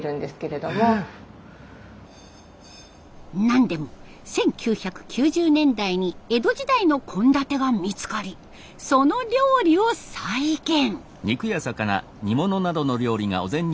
何でも１９９０年代に江戸時代の献立が見つかりその料理を再現。